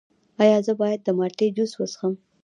ایا زه باید د مالټې جوس وڅښم؟